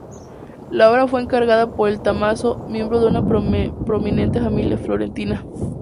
La obra fue encargada por Tommaso, miembro de una prominente familia florentina.